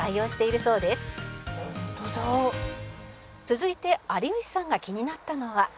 「続いて有吉さんが気になったのは」